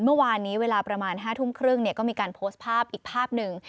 เมื่อวานนี้เวลาประมาณ๕ทุ่มครึ่งก็มีการโพสต์ภาพอีกภาพหนึ่ง